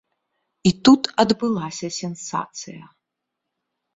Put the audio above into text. І тут адбылася сенсацыя.